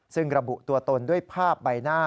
ซึ่งระบุตัวตนด้วยภาพใบหน้า